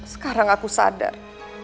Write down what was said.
sekarang aku sadar